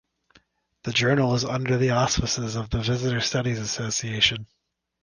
The journal is under the auspices of the Visitor Studies Association.